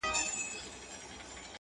o ستا پستې پستې خبري مي یا دېږي,